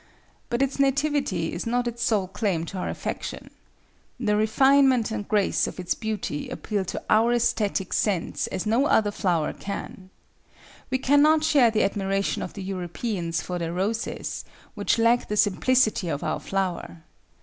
But its nativity is not its sole claim to our affection. The refinement and grace of its beauty appeal to our æsthetic sense as no other flower can. We cannot share the admiration of the Europeans for their roses, which lack the simplicity of our flower.